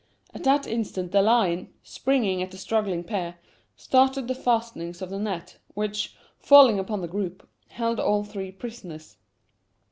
At that instant the lion, springing at the struggling pair, started the fastenings of the net, which, falling upon the group, held all three prisoners.